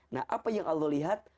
nah apa yang allah lihat